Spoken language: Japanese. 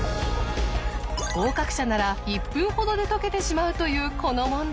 合格者なら１分ほどで解けてしまうというこの問題。